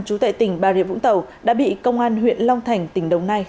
chú tại tỉnh ba rịa vũng tàu đã bị công an huyện long thành tỉnh đồng nai